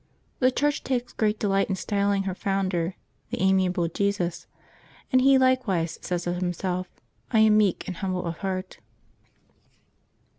— The Church takes delight in styling her founder " The amiable Jesus/' and He likewise says of Himself, ^* I am meek and humble of heart."